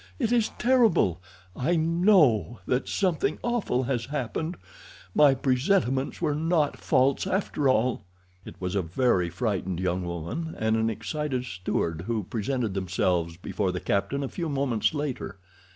It is terrible! I know that something awful has happened. My presentiments were not false, after all." It was a very frightened young woman and an excited steward who presented themselves before the captain a few moments later.